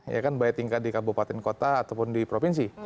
ya kan baik tingkat di kabupaten kota ataupun di provinsi